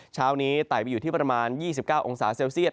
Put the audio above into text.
เช้านี้ไต่ไปอยู่ที่ประมาณ๒๙องศาเซลเซียต